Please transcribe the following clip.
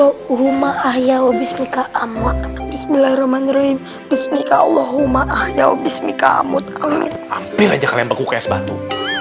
hampir aja kalian beku kayak sebatu